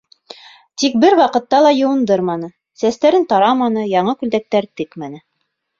Тик бер ваҡытта ла йыуындырманы, сәстәрен тараманы, яңы күлдәктәр текмәне.